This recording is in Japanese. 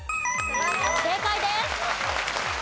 正解です。